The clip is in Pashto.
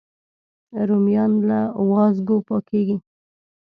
رومیان له وازګو پاکېږي